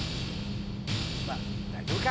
まあ大丈夫か。